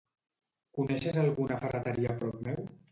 Coneixes alguna ferreteria a prop meu?